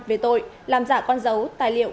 về tội làm giả con dấu tài liệu